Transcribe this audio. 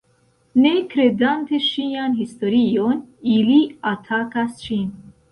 Ne kredante ŝian historion, ili atakas ŝin.